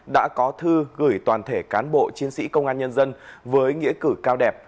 đã có thư gửi toàn thể cán bộ chiến sĩ công an nhân dân với nghĩa cử cao đẹp